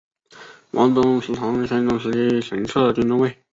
王宗实唐宣宗时期神策军中尉。